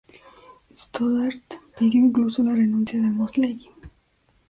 Stoddart pidió incluso la renuncia de Mosley.